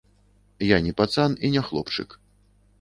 Я не пацан і не хлопчык.